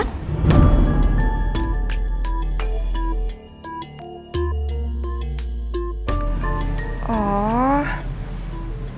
ini randy kan